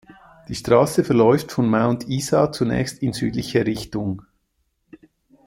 Die Straße verläuft von Mount Isa zunächst in südliche Richtung.